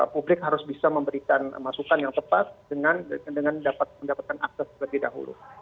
publik harus bisa memberikan masukan yang tepat dengan mendapatkan akses lebih dahulu